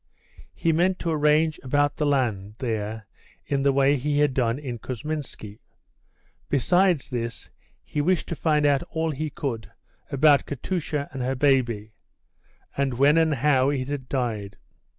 He meant to arrange about the land there in the way he had done in Kousminski. Besides this, he wished to find out all he could about Katusha and her baby, and when and how it had died.